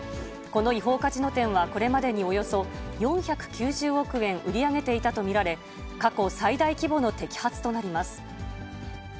この違法カジノ店は、これまでにおよそ４９０億円売り上げていたと見られ、過去最大規模の摘発となります。